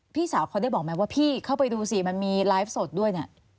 พี่สาวเขาได้บอกไหมว่าพี่เข้าไปดูสิมันมีไลฟ์สดด้วยเนี่ย